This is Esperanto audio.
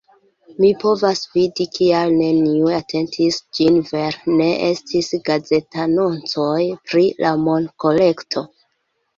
Mi povas vidi kial neniu atentis ĝin vere, ne estis gazetanoncoj pri la monkolekto